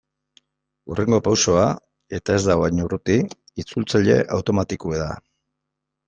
Hurrengo pausoa, eta ez dago hain urruti, itzultzaile automatikoa da.